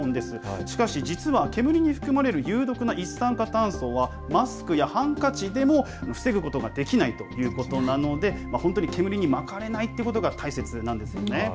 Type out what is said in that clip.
しかし実は煙に含まれる有毒な一酸化炭素はマスクやハンカチでも防ぐことができないということなので煙に巻かれないということが大切なんです。